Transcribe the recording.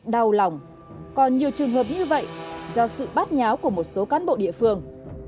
đau lòng còn nhiều trường hợp như vậy do sự bát nháo của một số cán bộ địa phương